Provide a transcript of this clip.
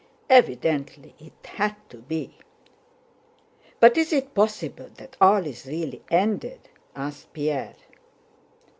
Evidently it had to be...." "But is it possible that all is really ended?" asked Pierre.